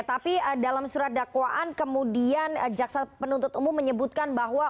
tapi dalam surat dakwaan kemudian jaksa penuntut umum menyebutkan bahwa